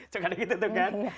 cukup ada gitu tuh kan